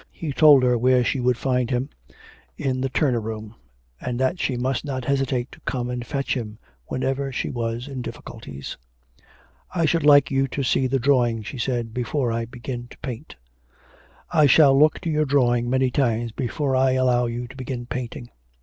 He told her where she would find him, in the Turner room, and that she must not hesitate to come and fetch him whenever she was in difficulties. 'I should like you to see the drawing,' she said, 'before I begin to paint.' 'I shall look to your drawing many times before I allow you to begin painting.